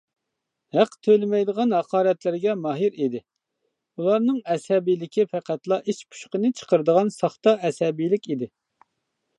ھەق تۆلىمەيدىغان ھاقارەتلەرگە ماھىر ئىدى، ئۇلارنىڭ ئەسەبىيلىكى پەقەتلا ئىچ پۇشقىنى چىقىرىدىغان ساختا ئەسەبىيلىك ئىدى.